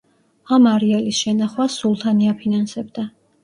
ამ არეალის შენახვას სულთანი აფინანსებდა.